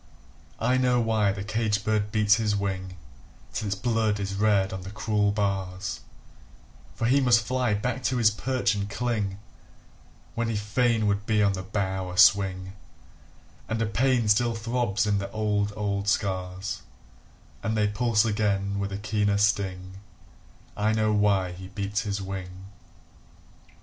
I know why the caged bird beats his wing Till its blood is red on the cruel bars; For he must fly back to his perch and cling When he fain would be on the bough a swing; And a pain still throbs in the old, old scars And they pulse again with a keener sting I know why he beats his wing!